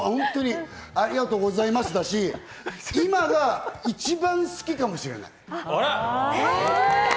ありがとうございますだし、今が一番好きかもしれない。